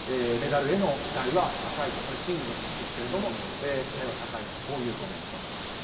メダルへの期待は高いとシングルの話ですが期待は高いというコメント。